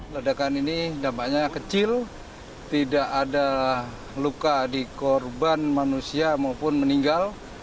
ledakan ini dampaknya kecil tidak ada luka di korban manusia maupun meninggal